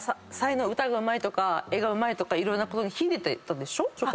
歌がうまいとか絵がうまいとかいろんなことに秀でてたでしょ？